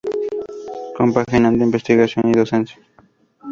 Compaginando investigación y docencia.